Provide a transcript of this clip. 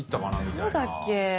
どうだっけ。